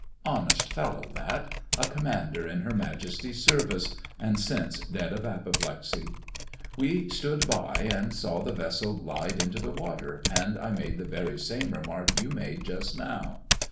Honest fellow that; a commander in Her Majesty's service, and since dead of apoplexy. We stood by, and saw the vessel glide into the water, and I made the very same remark you made just now.